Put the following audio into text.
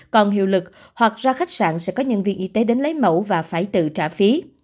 còn hiệu lực hoặc ra khách sạn sẽ có nhân viên y tế đến lấy mẫu và phải tự trả phí